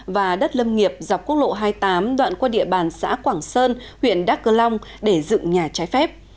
và đất lâm nghiệp dọc quốc lộ hai mươi tám đoạn qua địa bàn xã quảng sơn huyện đắk cơ long để dựng nhà trái phép